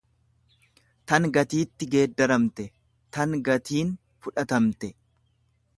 tan gatiitti geeddaramte, tan gatiin fudhatamte.